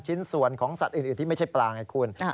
ชิ้นส่วนของสัตว์อื่นที่ไม่ใช่ปลาไงคุณ